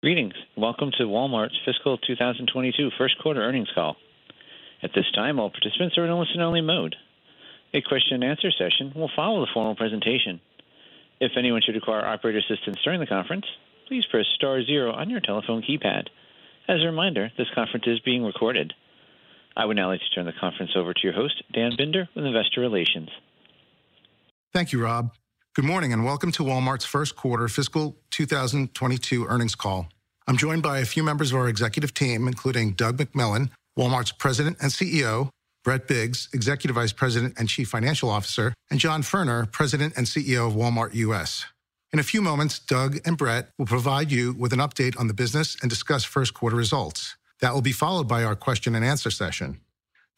Greetings. Welcome to Walmart's Fiscal 2022 first quarter earnings call. At this time, all participants are in listen-only mode. A question and answer session will follow the formal presentation. If anyone should require operator assistance during the conference, please press star zero on your telephone keypad. As a reminder, this conference is being recorded. I would now like to turn the conference over to your host, Daniel Binder, from Investor Relations. Thank you, Rob. Good morning and welcome to Walmart's first quarter fiscal 2022 earnings call. I'm joined by a few members of our executive team, including Doug McMillon, Walmart's President and CEO, Brett Biggs, Executive Vice President and Chief Financial Officer, and John Furner, President and CEO of Walmart U.S. In a few moments, Doug and Brett will provide you with an update on the business and discuss first quarter results. That will be followed by our question and answer session.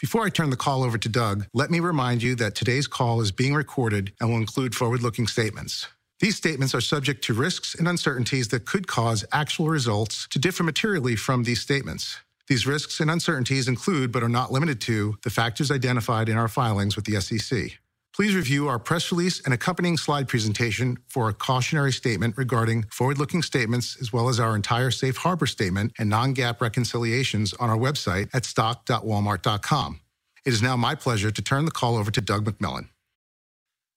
Before I turn the call over to Doug, let me remind you that today's call is being recorded and will include forward-looking statements. These statements are subject to risks and uncertainties that could cause actual results to differ materially from these statements. These risks and uncertainties include, but are not limited to, the factors identified in our filings with the SEC. Please review our press release and accompanying slide presentation for a cautionary statement regarding forward-looking statements as well as our entire safe harbor statement and non-GAAP reconciliations on our website at stock.walmart.com. It is now my pleasure to turn the call over to Doug McMillon.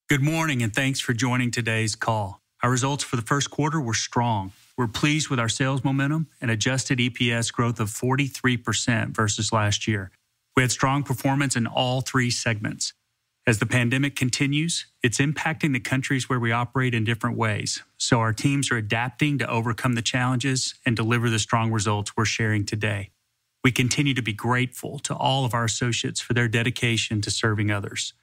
Good morning, thanks for joining today's call. Our results for the first quarter were strong. We're pleased with our sales momentum and adjusted EPS growth of 43% versus last year. We had strong performance in all three segments. As the pandemic continues, it's impacting the countries where we operate in different ways, so our teams are adapting to overcome the challenges and deliver the strong results we're sharing today. We continue to be grateful to all of our associates for their dedication to serving others.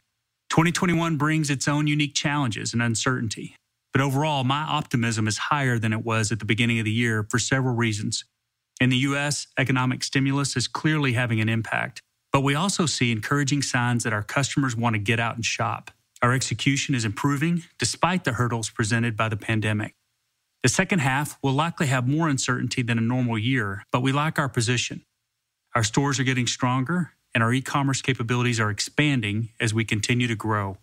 2021 brings its own unique challenges and uncertainty, but overall, my optimism is higher than it was at the beginning of the year for several reasons. In the U.S., economic stimulus is clearly having an impact, but we also see encouraging signs that our customers want to get out and shop. Our execution is improving despite the hurdles presented by the pandemic. The second half will likely have more uncertainty than a normal year, but we like our position. Our stores are getting stronger, and our e-commerce capabilities are expanding as we continue to grow.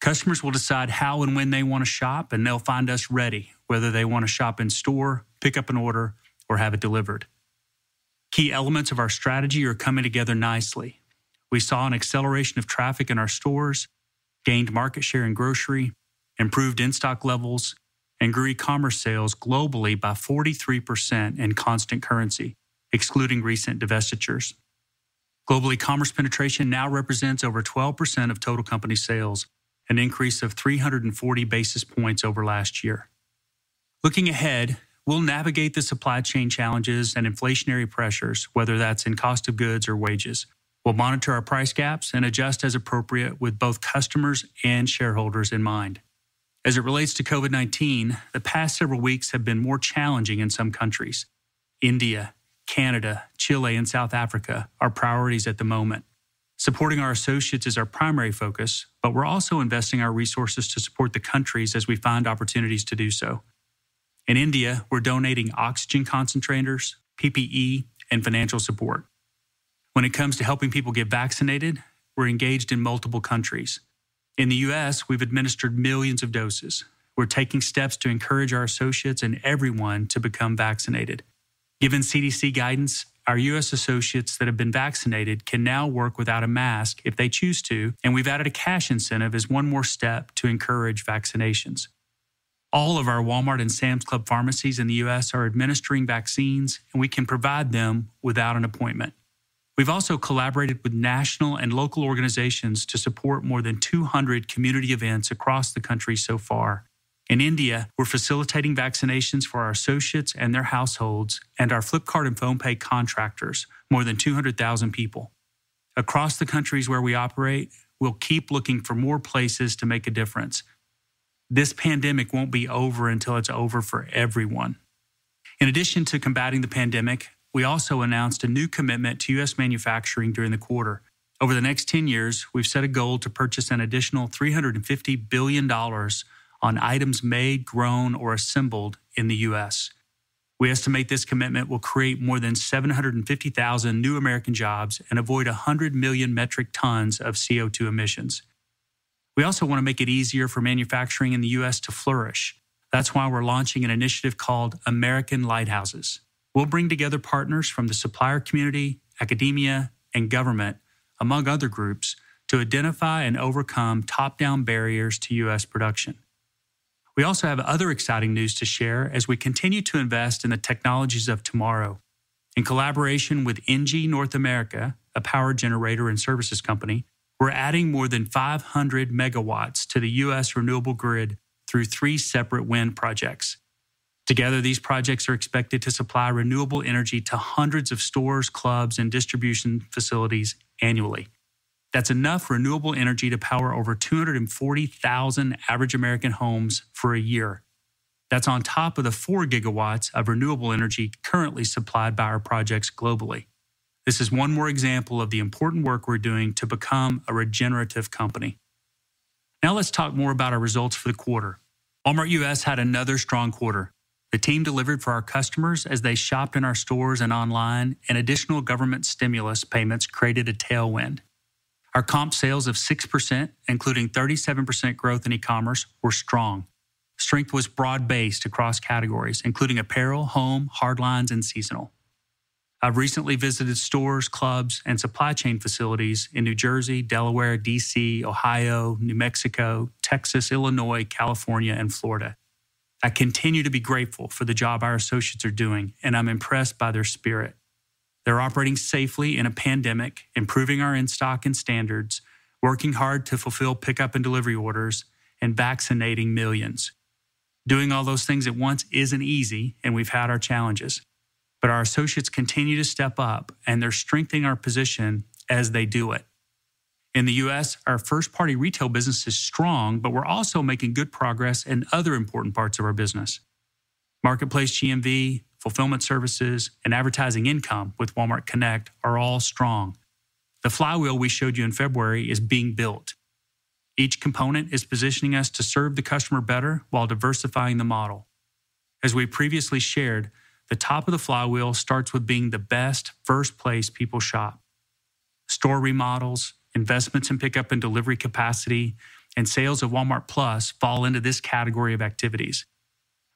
Customers will decide how and when they want to shop, and they'll find us ready, whether they want to shop in-store, pick up an order, or have it delivered. Key elements of our strategy are coming together nicely. We saw an acceleration of traffic in our stores, gained market share in grocery, improved in-stock levels, and grew e-commerce sales globally by 43% in constant currency, excluding recent divestitures. Global e-commerce penetration now represents over 12% of total company sales, an increase of 340 basis points over last year. Looking ahead, we'll navigate the supply chain challenges and inflationary pressures, whether that's in cost of goods or wages. We'll monitor our price gaps and adjust as appropriate with both customers and shareholders in mind. As it relates to COVID-19, the past several weeks have been more challenging in some countries. India, Canada, Chile, and South Africa are priorities at the moment. Supporting our associates is our primary focus. We're also investing our resources to support the countries as we find opportunities to do so. In India, we're donating oxygen concentrators, PPE, and financial support. When it comes to helping people get vaccinated, we're engaged in multiple countries. In the U.S., we've administered millions of doses. We're taking steps to encourage our associates and everyone to become vaccinated. Given CDC guidance, our U.S. associates that have been vaccinated can now work without a mask if they choose to. We've added a cash incentive as one more step to encourage vaccinations. All of our Walmart and Sam's Club pharmacies in the U.S. are administering vaccines, and we can provide them without an appointment. We've also collaborated with national and local organizations to support more than 200 community events across the country so far. In India, we're facilitating vaccinations for our associates and their households and our Flipkart and PhonePe contractors, more than 200,000 people. Across the countries where we operate, we'll keep looking for more places to make a difference. This pandemic won't be over until it's over for everyone. In addition to combating the pandemic, we also announced a new commitment to U.S. manufacturing during the quarter. Over the next 10 years, we've set a goal to purchase an additional $350 billion on items made, grown, or assembled in the U.S. We estimate this commitment will create more than 750,000 new American jobs and avoid 100 million metric tons of CO2 emissions. We also want to make it easier for manufacturing in the U.S. to flourish. That's why we're launching an initiative called American Lighthouses. We'll bring together partners from the supplier community, academia, and government, among other groups, to identify and overcome top-down barriers to U.S. production. We also have other exciting news to share as we continue to invest in the technologies of tomorrow. In collaboration with ENGIE North America, a power generator and services company, we're adding more than 500 MW to the U.S. renewable grid through three separate wind projects. Together, these projects are expected to supply renewable energy to hundreds of stores, clubs, and distribution facilities annually. That's enough renewable energy to power over 240,000 average American homes for a year. That's on top of the 4 gigawatts of renewable energy currently supplied by our projects globally. This is one more example of the important work we're doing to become a regenerative company. Let's talk more about our results for the quarter. Walmart U.S. had another strong quarter. The team delivered for our customers as they shop in our stores and online, and additional government stimulus payments created a tailwind. Our comp sales of 6%, including 37% growth in e-commerce, were strong. Strength was broad-based across categories, including apparel, home, hard lines, and seasonal. I've recently visited stores, clubs, and supply chain facilities in New Jersey, Delaware, D.C., Ohio, New Mexico, Texas, Illinois, California, and Florida. I continue to be grateful for the job our associates are doing, and I'm impressed by their spirit. They're operating safely in a pandemic, improving our in-stock and standards, working hard to fulfill pickup and delivery orders, and vaccinating millions. Doing all those things at once isn't easy, and we've had our challenges, but our associates continue to step up, and they're strengthening our position as they do it. In the U.S., our first-party retail business is strong, but we're also making good progress in other important parts of our business. Marketplace GMV, fulfillment services, and advertising income with Walmart Connect are all strong. The flywheel we showed you in February is being built. Each component is positioning us to serve the customer better while diversifying the model. As we previously shared, the top of the flywheel starts with being the best first place people shop. Store remodels, investments in pickup and delivery capacity, and sales of Walmart+ fall into this category of activities.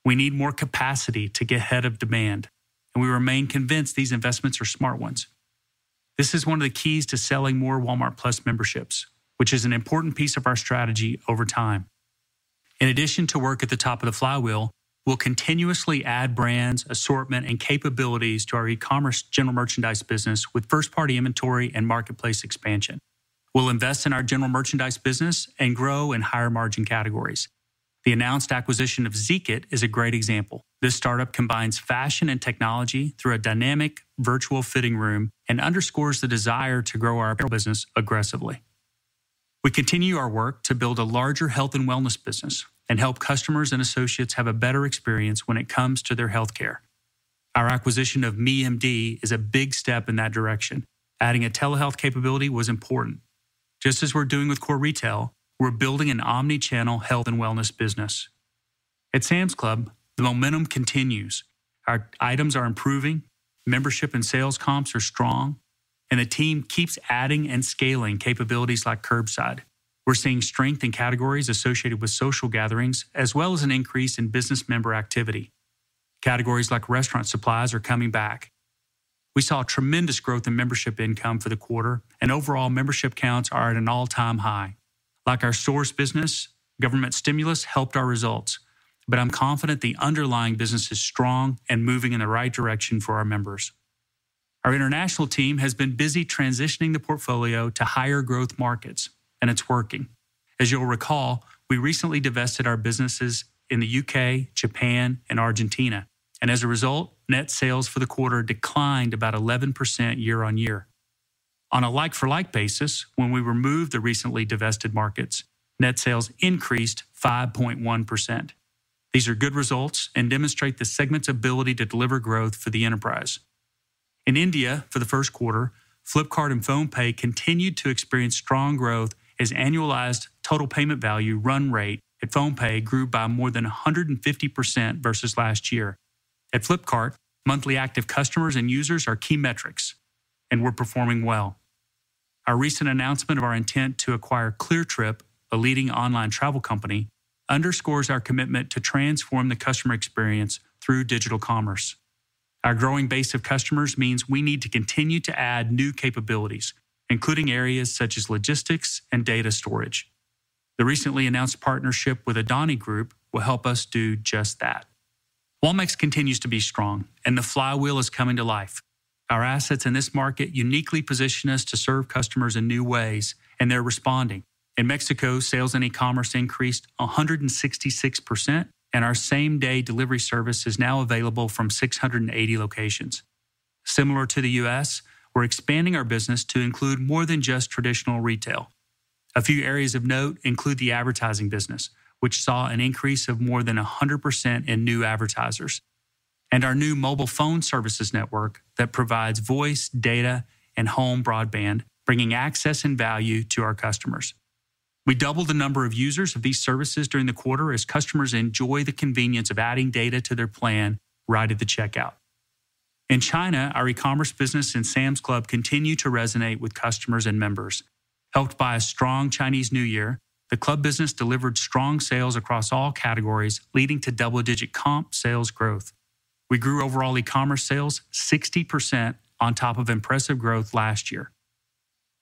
We need more capacity to get ahead of demand, and we remain convinced these investments are smart ones. This is one of the keys to selling more Walmart+ memberships, which is an important piece of our strategy over time. In addition to work at the top of the flywheel, we'll continuously add brands, assortment, and capabilities to our e-commerce general merchandise business with first-party inventory and marketplace expansion. We'll invest in our general merchandise business and grow in higher-margin categories. The announced acquisition of Zeekit is a great example. This startup combines fashion and technology through a dynamic virtual fitting room and underscores the desire to grow our apparel business aggressively. We continue our work to build a larger health and wellness business and help customers and associates have a better experience when it comes to their healthcare. Our acquisition of MeMD is a big step in that direction. Adding a telehealth capability was important. Just as we're doing with core retail, we're building an omnichannel health and wellness business. At Sam's Club, the momentum continues. Our items are improving, membership and sales comps are strong, and the team keeps adding and scaling capabilities like curbside. We're seeing strength in categories associated with social gatherings, as well as an increase in business member activity. Categories like restaurant supplies are coming back. We saw tremendous growth in membership income for the quarter, and overall membership counts are at an all-time high. Like our source business, government stimulus helped our results, but I'm confident the underlying business is strong and moving in the right direction for our members. Our international team has been busy transitioning the portfolio to higher-growth markets, and it's working. As you'll recall, we recently divested our businesses in the U.K., Japan, and Argentina, and as a result, net sales for the quarter declined about 11% year-on-year. On a like-for-like basis, when we remove the recently divested markets, net sales increased 5.1%. These are good results and demonstrate the segment's ability to deliver growth for the enterprise. In India, for the first quarter, Flipkart and PhonePe continued to experience strong growth as annualized total payment value run rate at PhonePe grew by more than 150% versus last year. At Flipkart, monthly active customers and users are key metrics, and we're performing well. Our recent announcement of our intent to acquire Cleartrip, a leading online travel company, underscores our commitment to transform the customer experience through digital commerce. Our growing base of customers means we need to continue to add new capabilities, including areas such as logistics and data storage. The recently announced partnership with Adani Group will help us do just that. Walmex continues to be strong, and the flywheel is coming to life. Our assets in this market uniquely position us to serve customers in new ways, and they're responding. In Mexico, sales and e-commerce increased 166%, and our same-day delivery service is now available from 680 locations. Similar to the U.S., we're expanding our business to include more than just traditional retail. A few areas of note include the advertising business, which saw an increase of more than 100% in new advertisers, and our new mobile phone services network that provides voice, data, and home broadband, bringing access and value to our customers. We doubled the number of users of these services during the quarter as customers enjoy the convenience of adding data to their plan right at the checkout. In China, our e-commerce business and Sam's Club continue to resonate with customers and members. Helped by a strong Chinese New Year, the club business delivered strong sales across all categories, leading to double-digit comp sales growth. We grew overall e-commerce sales 60% on top of impressive growth last year.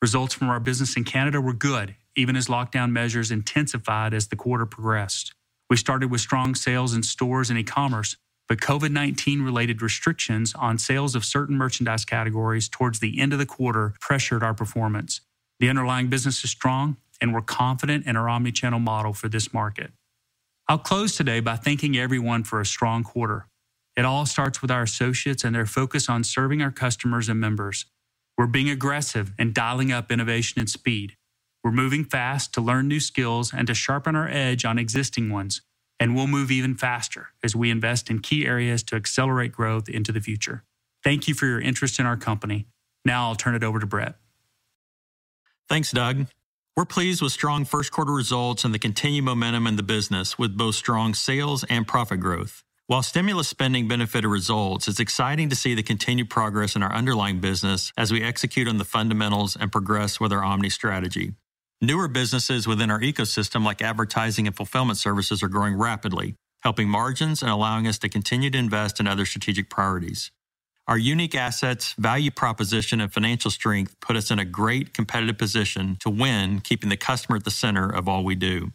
Results from our business in Canada were good, even as lockdown measures intensified as the quarter progressed. We started with strong sales in stores and e-commerce, COVID-19 related restrictions on sales of certain merchandise categories towards the end of the quarter pressured our performance. The underlying business is strong, and we're confident in our omnichannel model for this market. I'll close today by thanking everyone for a strong quarter. It all starts with our associates and their focus on serving our customers and members. We're being aggressive and dialing up innovation and speed. We're moving fast to learn new skills and to sharpen our edge on existing ones. We'll move even faster as we invest in key areas to accelerate growth into the future. Thank you for your interest in our company. Now I'll turn it over to Brett. Thanks, Doug. We're pleased with strong first quarter results and the continued momentum in the business, with both strong sales and profit growth. While stimulus spending benefited results, it's exciting to see the continued progress in our underlying business as we execute on the fundamentals and progress with our omni strategy. Newer businesses within our ecosystem, like advertising and fulfillment services, are growing rapidly, helping margins and allowing us to continue to invest in other strategic priorities. Our unique assets, value proposition, and financial strength put us in a great competitive position to win, keeping the customer at the center of all we do.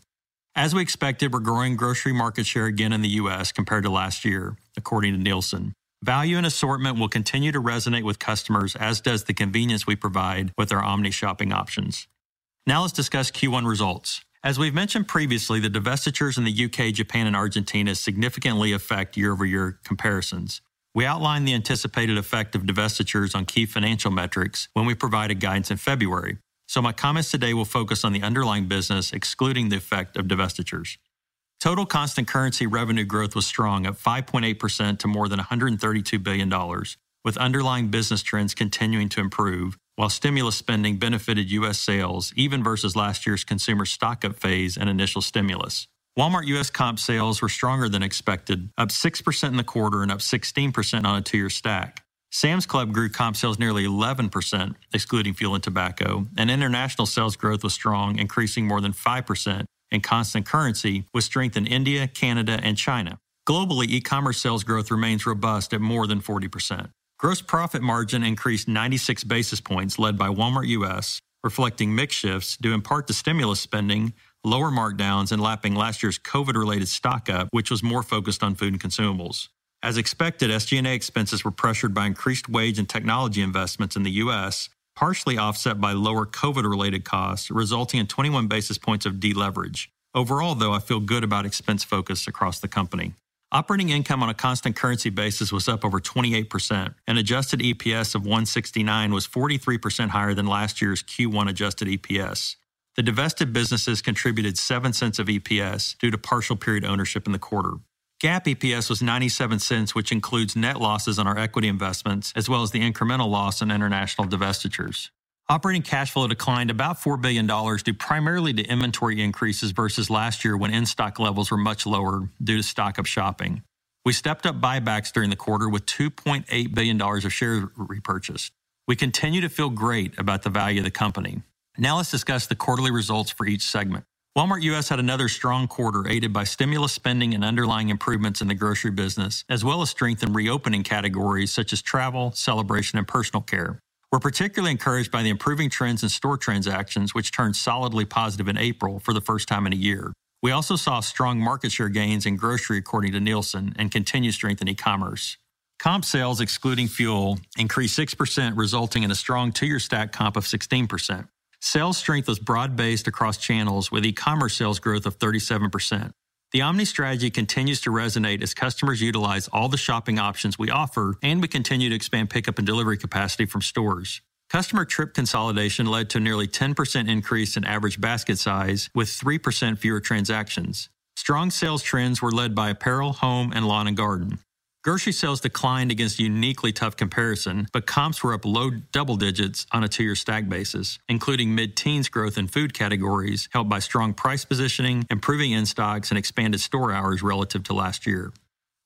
As we expected, we're growing grocery market share again in the U.S. compared to last year, according to Nielsen. Value and assortment will continue to resonate with customers, as does the convenience we provide with our omni shopping options. Now let's discuss Q1 results. As we've mentioned previously, the divestitures in the U.K., Japan, and Argentina significantly affect year-over-year comparisons. We outlined the anticipated effect of divestitures on key financial metrics when we provided guidance in February. My comments today will focus on the underlying business excluding the effect of divestitures. Total constant currency revenue growth was strong at 5.8% to more than $132 billion, with underlying business trends continuing to improve while stimulus spending benefited U.S. sales, even versus last year's consumer stock-up phase and initial stimulus. Walmart U.S. comp sales were stronger than expected, up 6% in the quarter and up 16% on a two-year stack. Sam's Club grew comp sales nearly 11%, excluding fuel and tobacco, and international sales growth was strong, increasing more than 5% in constant currency with strength in India, Canada, and China. Globally, e-commerce sales growth remains robust at more than 40%. Gross profit margin increased 96 basis points led by Walmart U.S., reflecting mix shifts due in part to stimulus spending, lower markdowns, and lapping last year's COVID-related stock-up, which was more focused on food and consumables. As expected, SG&A expenses were pressured by increased wage and technology investments in the U.S., partially offset by lower COVID-related costs, resulting in 21 basis points of deleverage. Overall, though, I feel good about expense focus across the company. Operating income on a constant currency basis was up over 28%, and adjusted EPS of $1.69 was 43% higher than last year's Q1 adjusted EPS. The divested businesses contributed $0.07 of EPS due to partial period ownership in the quarter. GAAP EPS was $0.97, which includes net losses on our equity investments as well as the incremental loss on international divestitures. Operating cash flow declined about $4 billion, due primarily to inventory increases versus last year when in-stock levels were much lower due to stock-up shopping. We stepped up buybacks during the quarter with $2.8 billion of shares repurchased. We continue to feel great about the value of the company. Let's discuss the quarterly results for each segment. Walmart U.S. had another strong quarter aided by stimulus spending and underlying improvements in the grocery business, as well as strength in reopening categories such as travel, celebration, and personal care. We're particularly encouraged by the improving trends in store transactions, which turned solidly positive in April for the first time in one year. We also saw strong market share gains in grocery, according to Nielsen, and continued strength in e-commerce. Comp sales, excluding fuel, increased 6%, resulting in a strong two-year stack comp of 16%. Sales strength was broad-based across channels with e-commerce sales growth of 37%. The omni strategy continues to resonate as customers utilize all the shopping options we offer, and we continue to expand pickup and delivery capacity from stores. Customer trip consolidation led to nearly 10% increase in average basket size with 3% fewer transactions. Strong sales trends were led by apparel, home, and lawn and garden. Grocery sales declined against a uniquely tough comparison, but comps were up low double digits on a two-year stack basis, including mid-teens growth in food categories, helped by strong price positioning, improving in-stocks, and expanded store hours relative to last year.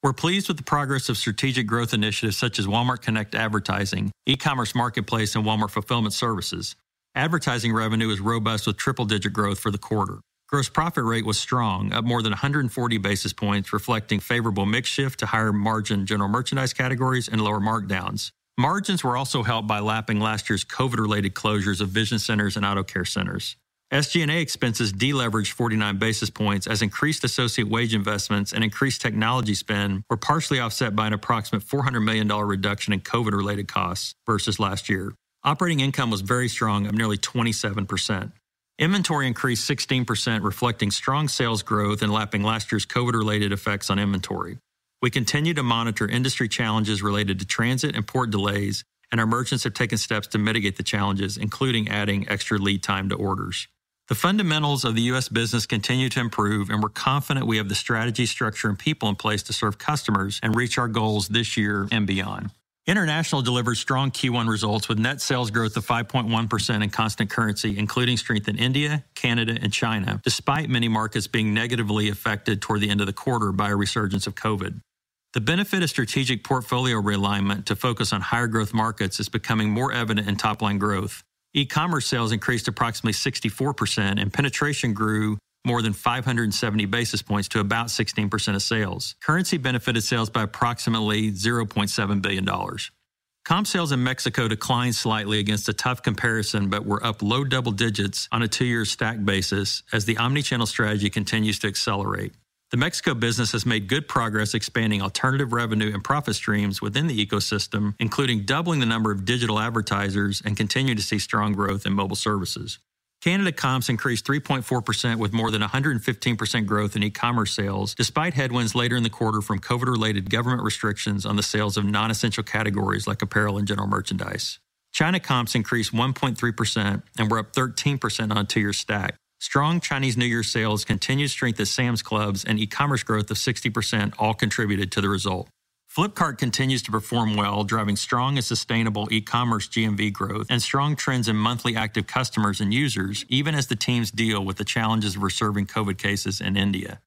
We're pleased with the progress of strategic growth initiatives such as Walmart Connect advertising, e-commerce marketplace, and Walmart Fulfillment Services. Advertising revenue was robust with triple-digit growth for the quarter. Gross profit rate was strong at more than 140 basis points, reflecting favorable mix shift to higher-margin general merchandise categories and lower markdowns. Margins were also helped by lapping last year's COVID-related closures of vision centers and auto care centers. SG&A expenses deleveraged 49 basis points, as increased associate wage investments and increased technology spend were partially offset by an approximate $400 million reduction in COVID-related costs versus last year. Operating income was very strong at nearly 27%. Inventory increased 16%, reflecting strong sales growth and lapping last year's COVID-related effects on inventory. We continue to monitor industry challenges related to transit and port delays, and our merchants have taken steps to mitigate the challenges, including adding extra lead time to orders. The fundamentals of the U.S. business continue to improve, and we're confident we have the strategy, structure, and people in place to serve customers and reach our goals this year and beyond. International delivered strong Q1 results with net sales growth of 5.1% in constant currency, including strength in India, Canada, and China, despite many markets being negatively affected toward the end of the quarter by a resurgence of COVID. The benefit of strategic portfolio realignment to focus on higher growth markets is becoming more evident in top-line growth. E-commerce sales increased approximately 64%, and penetration grew more than 570 basis points to about 16% of sales. Currency benefited sales by approximately $0.7 billion. Comp sales in Mexico declined slightly against a tough comparison but were up low double digits on a two-year stack basis as the omnichannel strategy continues to accelerate. The Mexico business has made good progress expanding alternative revenue and profit streams within the ecosystem, including doubling the number of digital advertisers and continue to see strong growth in mobile services. Canada comps increased 3.4% with more than 115% growth in e-commerce sales, despite headwinds later in the quarter from COVID-related government restrictions on the sales of non-essential categories like apparel and general merchandise. China comps increased 1.3% and were up 13% on a two-year stack. Strong Chinese New Year sales, continued strength at Sam's Club, and e-commerce growth of 60% all contributed to the result. Flipkart continues to perform well, driving strong and sustainable e-commerce GMV growth and strong trends in monthly active customers and users, even as the teams deal with the challenges of resurgence COVID cases in India.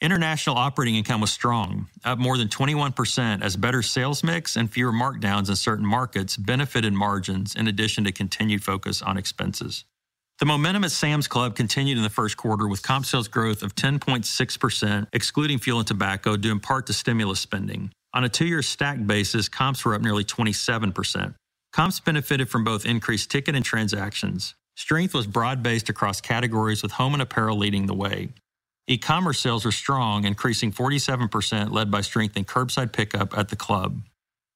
International operating income was strong, up more than 21% as better sales mix and fewer markdowns in certain markets benefited margins in addition to continued focus on expenses. The momentum at Sam's Club continued in the first quarter with comp sales growth of 10.6%, excluding fuel and tobacco, due in part to stimulus spending. On a two-year stack basis, comps were up nearly 27%. Comps benefited from both increased ticket and transactions. Strength was broad-based across categories with home and apparel leading the way. E-commerce sales were strong, increasing 47%, led by strength in curbside pickup at the club.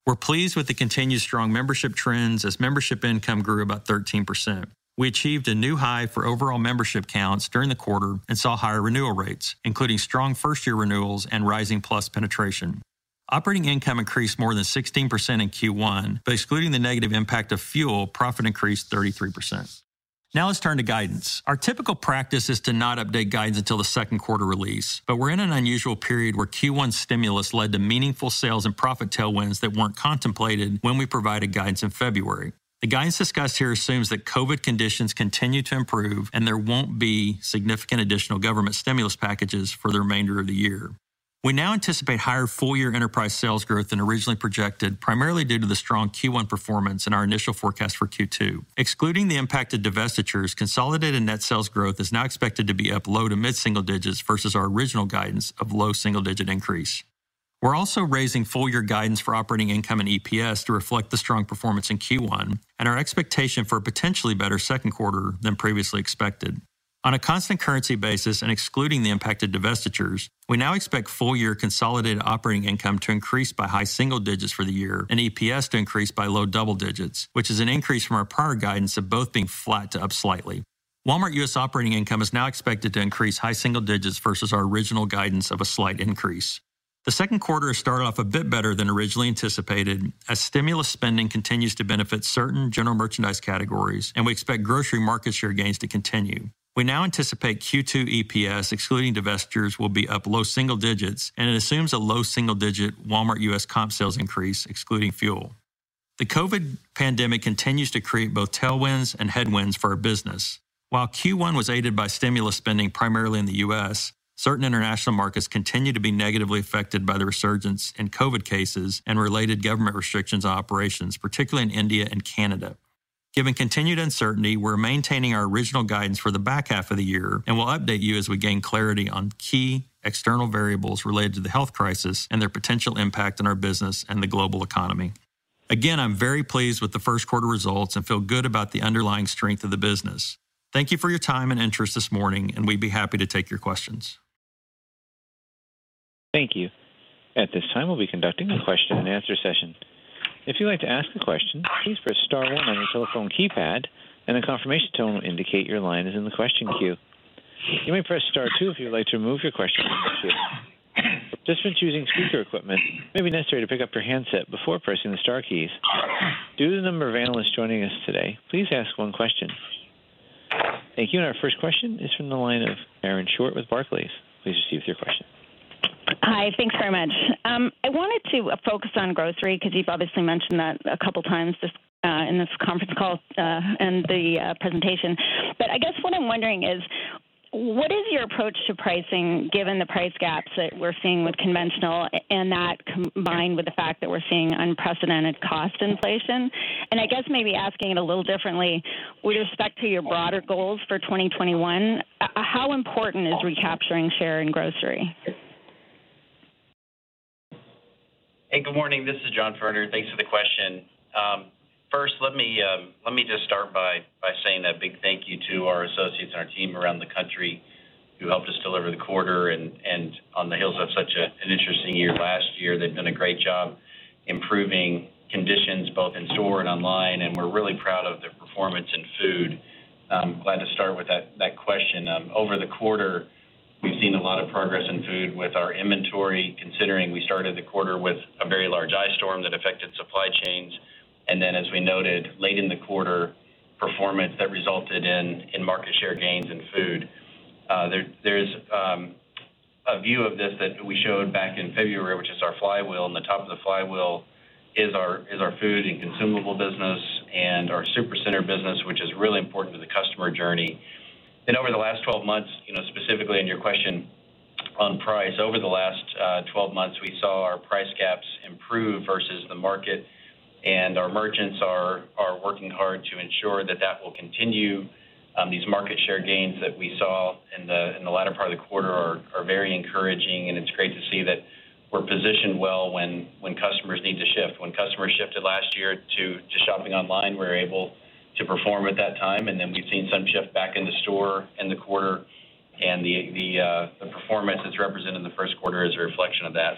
We're pleased with the continued strong membership trends as membership income grew about 13%. We achieved a new high for overall membership counts during the quarter and saw higher renewal rates, including strong first-year renewals and rising Plus penetration. Operating income increased more than 16% in Q1, but excluding the negative impact of fuel, profit increased 33%. Let's turn to guidance. Our typical practice is to not update guides until the second quarter release, but we're in an unusual period where Q1 stimulus led to meaningful sales and profit tailwinds that weren't contemplated when we provided guidance in February. The guidance discussed here assumes that COVID conditions continue to improve and there won't be significant additional government stimulus packages for the remainder of the year. We now anticipate higher full-year enterprise sales growth than originally projected, primarily due to the strong Q1 performance and our initial forecast for Q2. Excluding the impact of divestitures, consolidated net sales growth is now expected to be up low to mid-single digits versus our original guidance of low single-digit increase. We're also raising full-year guidance for operating income and EPS to reflect the strong performance in Q1 and our expectation for a potentially better second quarter than previously expected. On a constant currency basis and excluding the impact of divestitures, we now expect full-year consolidated operating income to increase by high single digits for the year and EPS to increase by low double digits, which is an increase from our prior guidance of both being flat to up slightly. Walmart U.S. operating income is now expected to increase high single digits versus our original guidance of a slight increase. The second quarter started off a bit better than originally anticipated, as stimulus spending continues to benefit certain general merchandise categories, and we expect grocery market share gains to continue. We now anticipate Q2 EPS, excluding divestitures, will be up low single digits. It assumes a low single-digit Walmart U.S. comp sales increase, excluding fuel. The COVID pandemic continues to create both tailwinds and headwinds for our business. While Q1 was aided by stimulus spending primarily in the U.S., certain international markets continue to be negatively affected by the resurgence in COVID cases and related government restrictions on operations, particularly in India and Canada. Given continued uncertainty, we're maintaining our original guidance for the back half of the year. We'll update you as we gain clarity on key external variables related to the health crisis and their potential impact on our business and the global economy. Again, I'm very pleased with the first quarter results and feel good about the underlying strength of the business. Thank you for your time and interest this morning, and we'd be happy to take your questions. Thank you. At this time, we'll be conducting a question and answer session. If you would like to ask a question, please press star on your telephone keypad, and a confirmation tone will indicate your line is in the question queue. You may press star two if you'd like to remove your question from the queue. If you're choosing speaker equipment, it may be necessary to pick up your handset before pressing the star keys. Due to the number of analysts joining us today, please ask one question. Thank you. Our first question is from the line of Kate McShane with Barclays. Please proceed with your question. Hi. Thanks very much. I wanted to focus on grocery because you've obviously mentioned that a couple times in this conference call and the presentation. I guess what I'm wondering is, what is your approach to pricing given the price gaps that we're seeing with conventional and that combined with the fact that we're seeing unprecedented cost inflation? I guess maybe asking it a little differently, with respect to your broader goals for 2021, how important is recapturing share in grocery? Hey, good morning. This is John. Thanks for the question. First, let me just start by saying a big thank you to our associates and our team around the country who helped us deliver the quarter and on the heels of such an interesting year last year. They've done a great job improving conditions both in store and online, and we're really proud of their performance in food. I'm glad to start with that question. Over the quarter, we've seen a lot of progress in food with our inventory, considering we started the quarter with a very large ice storm that affected supply chains, and then, as we noted, late in the quarter performance that resulted in market share gains in food. There's a view of this that we showed back in February, which is our flywheel, and the top of the flywheel is our food and consumable business and our Supercenter business, which is really important to the customer journey. Over the last 12 months, specifically on your question on price, over the last 12 months, we saw our price gaps improve versus the market, and our merchants are working hard to ensure that that will continue. These market share gains that we saw in the latter part of the quarter are very encouraging, and it's great to see that we're positioned well when customers need to shift. When customers shifted last year to shopping online, we were able to perform at that time, and then we've seen some shift back in the store in the quarter, and the performance that's represented in the first quarter is a reflection of that.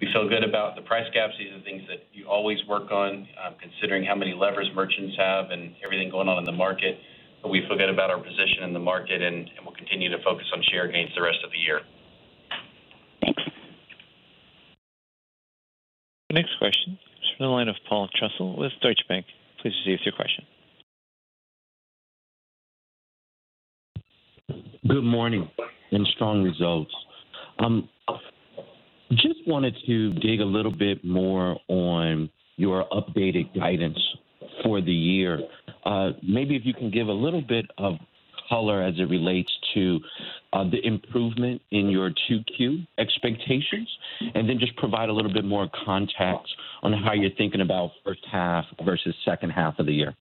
We feel good about the price gaps. These are things that you always work on, considering how many levers merchants have and everything going on in the market, but we feel good about our position in the market, and we'll continue to focus on share gains the rest of the year. Our next question is from the line of Paul Trussell with Deutsche Bank. Please proceed with your question. Good morning. Strong results. Just wanted to dig a little bit more on your updated guidance for the year. Maybe if you can give a little bit of color as it relates to the improvement in your 2Q expectations. Just provide a little bit more context on how you're thinking about first half versus second half of the year.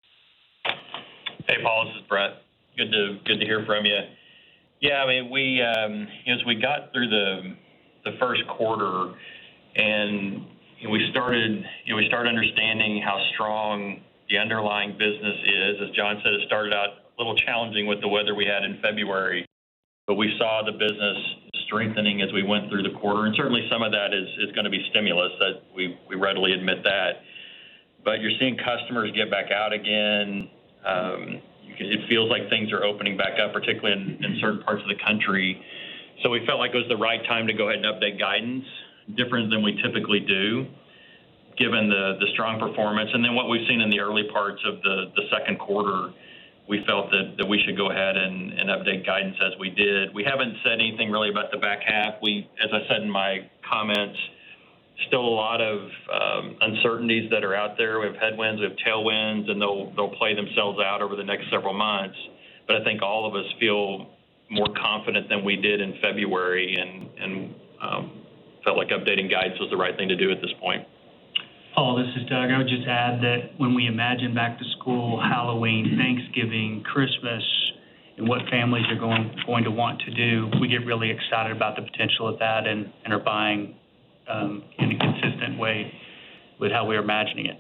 Hey, Paul, this is Brett. Good to hear from you. Yeah, as we got through the first quarter, we started understanding how strong the underlying business is. As John said, it started out a little challenging with the weather we had in February, we saw the business strengthening as we went through the quarter. Certainly some of that is going to be stimulus. We readily admit that. You're seeing customers get back out again. It feels like things are opening back up, particularly in certain parts of the country. We felt like it was the right time to go ahead and update guidance different than we typically do given the strong performance. What we've seen in the early parts of the second quarter, we felt that we should go ahead and update guidance as we did. We haven't said anything really about the back half. As I said in my comments, still a lot of uncertainties that are out there. We have headwinds, we have tailwinds, and they'll play themselves out over the next several months. I think all of us feel more confident than we did in February and felt like updating guidance was the right thing to do at this point. Paul, this is Doug. I would just add that when we imagine back to school, Halloween, Thanksgiving, Christmas, and what families are going to want to do, we get really excited about the potential of that and are buying in a consistent way with how we're imagining it.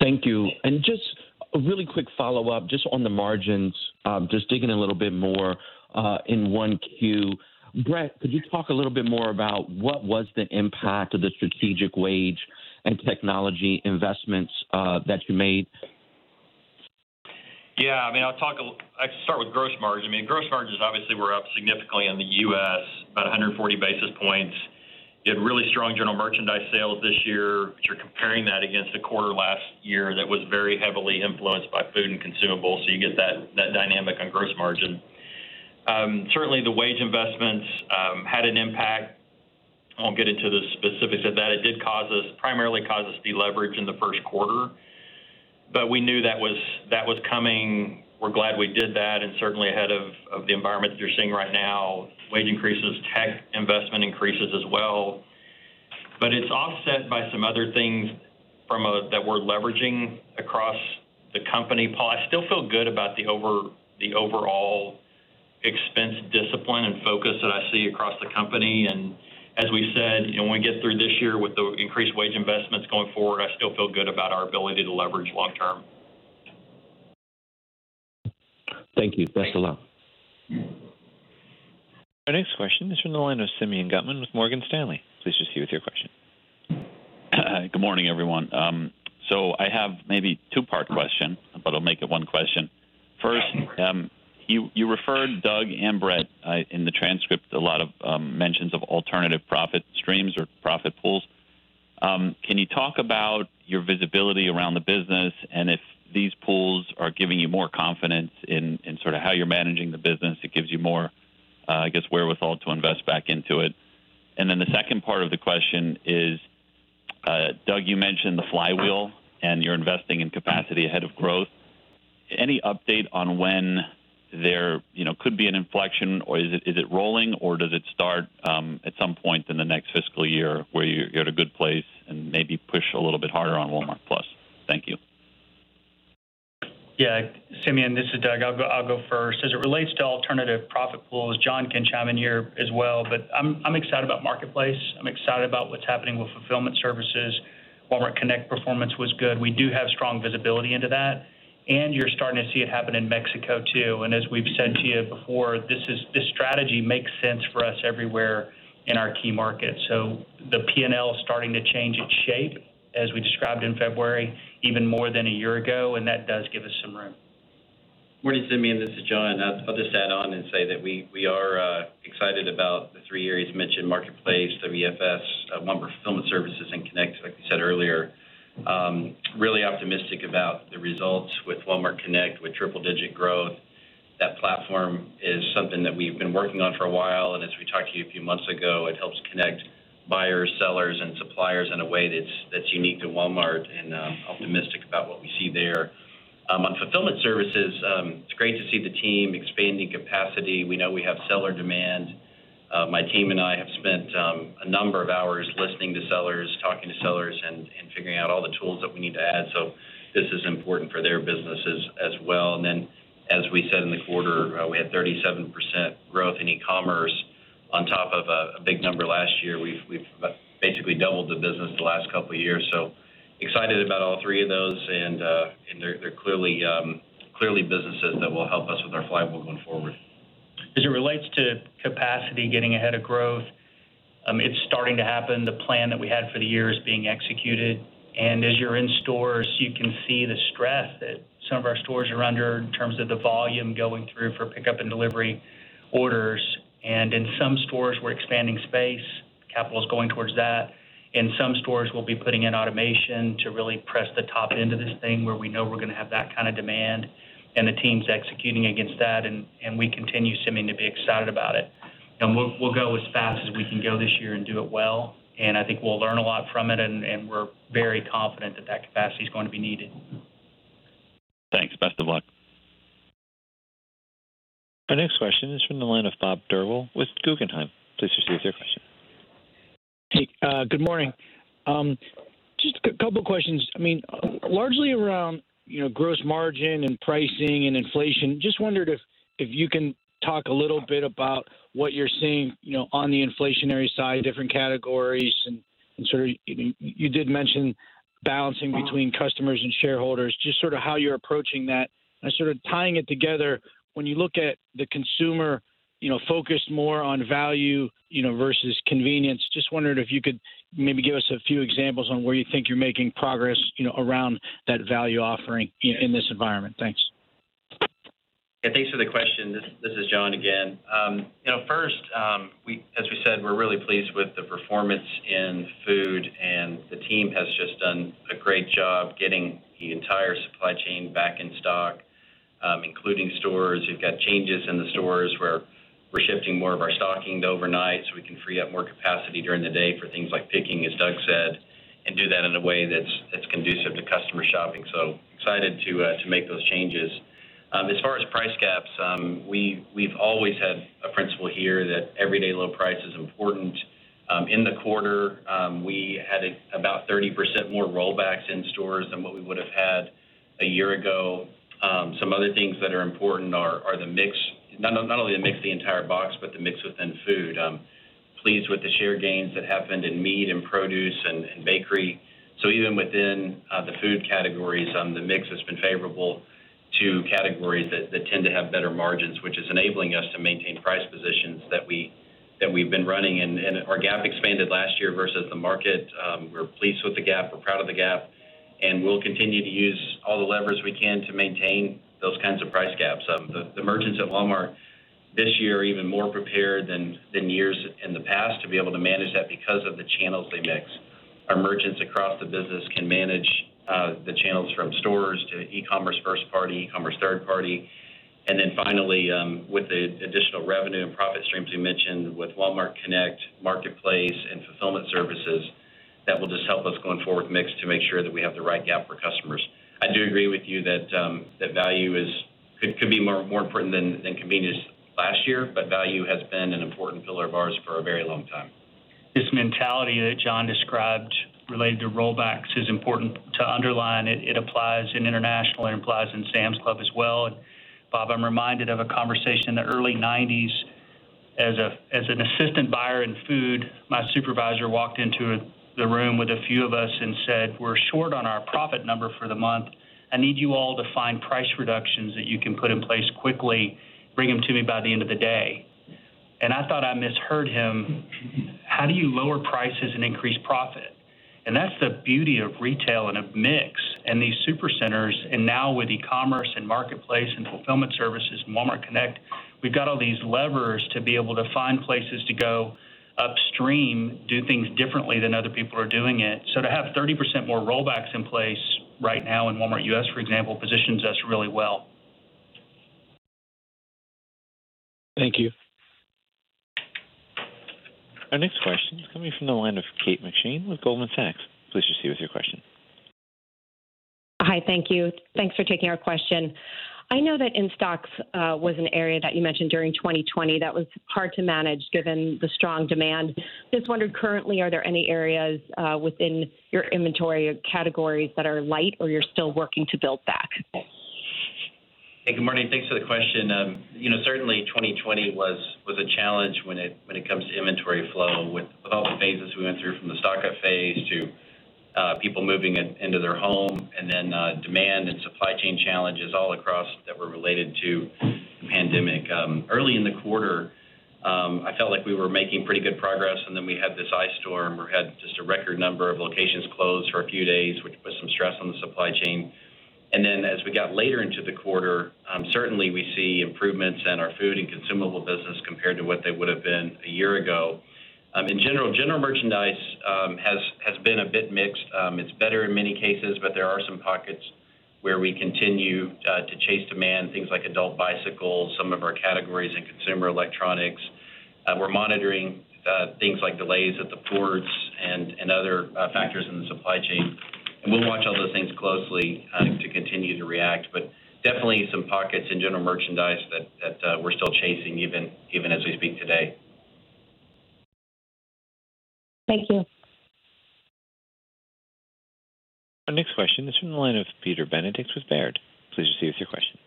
Thank you. Just a really quick follow-up just on the margins, just digging a little bit more in 1Q. Brett, could you talk a little bit more about what was the impact of the strategic wage and technology investments that you made? Yeah, I'd start with gross margin. Gross margins obviously were up significantly in the U.S., about 140 basis points. You had really strong general merchandise sales this year, but you're comparing that against a quarter last year that was very heavily influenced by food and consumables, so you get that dynamic on gross margin. Certainly, the wage investments had an impact. I won't get into the specifics of that. It did primarily cause us to be leveraged in the first quarter. But we knew that was coming. We're glad we did that, and certainly ahead of the environment that you're seeing right now. Wage increases, tech investment increases as well. But it's offset by some other things that we're leveraging across the company. Paul, I still feel good about the overall expense discipline and focus that I see across the company, and as we said, when we get through this year with the increased wage investments going forward, I still feel good about our ability to leverage long term. Thank you. Brett, hello. Our next question is from the line of Simeon Gutman with Morgan Stanley. Please proceed with your question. Good morning, everyone. I have maybe two-part question, but I'll make it one question. First, you referred, Doug and Brett, in the transcript, a lot of mentions of alternative profit streams or profit pools. Can you talk about your visibility around the business and if these pools are giving you more confidence in how you're managing the business, it gives you more, I guess, wherewithal to invest back into it? The second part of the question is, Doug, you mentioned the flywheel and you're investing in capacity ahead of growth. Any update on when there could be an inflection or is it rolling or does it start at some point in the next fiscal year where you're at a good place and maybe push a little bit harder on Walmart+? Thank you. Yeah. Simeon, this is Doug. I'll go first. As it relates to alternative profit pools, John can chime in here as well. I'm excited about Marketplace. I'm excited about what's happening with Fulfillment Services. Walmart Connect performance was good. We do have strong visibility into that, and you're starting to see it happen in Mexico too. As we've said to you before, this strategy makes sense for us everywhere in our key markets. The P&L is starting to change its shape as we described in February, even more than a year ago, and that does give us some room. Simeon, this is John. I'd put this hat on and say that we are excited about the three areas you mentioned, Marketplace, WFS, Walmart Fulfillment Services, and Connect, like we said earlier. Really optimistic about the results with Walmart Connect with triple-digit growth. That platform is something that we've been working on for a while. As we talked to you a few months ago, it helps connect buyers, sellers, and suppliers in a way that's unique to Walmart and optimistic about what we see there. On fulfillment services, it's great to see the team expanding capacity. We know we have seller demand. My team and I have spent a number of hours listening to sellers, talking to sellers, and figuring out all the tools that we need to add. This is important for their businesses as well. Then, as we said in the quarter, we had 37% growth in e-commerce on top of a big number last year. We've basically doubled the business the last couple of years. Excited about all three of those, and they're clearly businesses that will help us with our flywheel going forward. As it relates to capacity getting ahead of growth, it's starting to happen. The plan that we had for the year is being executed. As you're in stores, you can see the stress that some of our stores are under in terms of the volume going through for pickup and delivery orders. In some stores, we're expanding space. Capital's going towards that. In some stores, we'll be putting in automation to really press the top end of this thing where we know we're going to have that kind of demand, and the team's executing against that, and we continue seeming to be excited about it. We'll go as fast as we can go this year and do it well. I think we'll learn a lot from it, and we're very confident that that capacity's going to be needed. Thanks. Best of luck. Our next question is from the line of Robert Drbul with Guggenheim. Please proceed with your question. Hey, good morning. Just a couple questions. Largely around gross margin and pricing and inflation. Wondered if you can talk a little bit about what you're seeing on the inflationary side, different categories and sort of, you did mention balancing between customers and shareholders, just sort of how you're approaching that and sort of tying it together when you look at the consumer, focused more on value versus convenience. Wondered if you could maybe give us a few examples on where you think you're making progress around that value offering in this environment. Thanks. Thanks for the question. This is John again. First, as we said, we're really pleased with the performance in food, and the team has just done a great job getting the entire supply chain back in stock, including stores. We've got changes in the stores where we're shifting more of our stocking overnight so we can free up more capacity during the day for things like picking, as Doug said, and do that in a way that's conducive to customer shopping. Excited to make those changes. As far as price gaps, we've always had a principle here that everyday low price is important. In the quarter, we had about 30% more rollbacks in stores than what we would've had a year ago. Some other things that are important are the mix, not only the mix of the entire box, but the mix within food. I'm pleased with the share gains that happened in meat and produce and bakery. Even within the food categories, the mix has been favorable to categories that tend to have better margins, which is enabling us to maintain price positions that we've been running. Our gap expanded last year versus the market. We're pleased with the gap, we're proud of the gap, and we'll continue to use all the levers we can to maintain those kinds of price gaps. The merchants at Walmart this year are even more prepared than years in the past to be able to manage that because of the channel mix. Our merchants across the business can manage the channels from stores to e-commerce first party, e-commerce third party. Finally, with the additional revenue and profit streams we mentioned with Walmart Connect, Marketplace, and Walmart Fulfillment Services, that will just help us going forward with mix to make sure that we have the right gap for customers. I do agree with you that value could be more important than convenience last year, but value has been an important pillar of ours for a very long time. This mentality that John described related to rollbacks is important to underline. It applies in international, it applies in Sam's Club as well. Bob, I'm reminded of a conversation in the early 1990s. As an assistant buyer in food, my supervisor walked into the room with a few of us and said, "We're short on our profit number for the month. I need you all to find price reductions that you can put in place quickly. Bring them to me by the end of the day." I thought I misheard him. How do you lower prices and increase profit? That's the beauty of retail and of mix and these Supercenters. Now with e-commerce and Marketplace and Fulfillment Services and Walmart Connect, we've got all these levers to be able to find places to go upstream, do things differently than other people are doing it. To have 30% more rollbacks in place right now in Walmart U.S., for example, positions us really well. Thank you. Our next question is coming from the line of Kate McShane with Goldman Sachs. Please proceed with your question. Hi, thank you. Thanks for taking our question. I know that in-stocks was an area that you mentioned during 2020 that was hard to manage given the strong demand. Just wondered currently, are there any areas within your inventory or categories that are light or you're still working to build back? Hey, good morning. Thanks for the question. 2020 was a challenge when it comes to inventory flow with all the phases we went through from the stock-up phase to people moving into their home and then demand and supply chain challenges all across that were related to the pandemic. Early in the quarter, I felt like we were making pretty good progress, and then we had this ice storm where we had just a record number of locations closed for a few days, which put some stress on the supply chain. Then as we got later into the quarter, certainly we see improvements in our food and consumable business compared to what they would've been a year ago. In general merchandise has been a bit mixed. It's better in many cases. There are some pockets where we continue to chase demand, things like adult bicycles, some of our categories in consumer electronics. We're monitoring things like delays at the ports and other factors in the supply chain. We'll watch all those things closely to continue to react. Definitely some pockets in general merchandise that we're still chasing even as we speak today. Thank you. Our next question is from the line of Peter Benedict with Baird. Please proceed with your question.